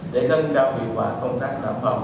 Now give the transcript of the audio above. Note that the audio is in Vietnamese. để nâng cao kỳ quả công tác đảm bảo